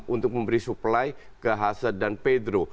untuk memberi supply ke hase dan pedro